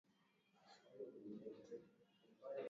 alichanganyika na makundi ya watu wakati wa matembezi